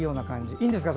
いいんですか？